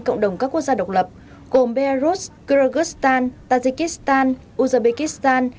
cộng đồng các quốc gia độc lập gồm belarus kyrgyzstan tajikistan uzbekistan